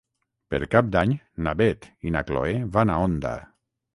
Per Cap d'Any na Beth i na Chloé van a Onda.